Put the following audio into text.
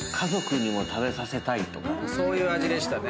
そういう味でしたね。